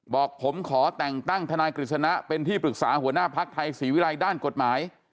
บอกผมขอแต่งตั้งทนายกฤษณะเป็นที่ปรึกษาหัวหน้าภักดิ์ไทยศรีวิรัยด้านกฎหมาย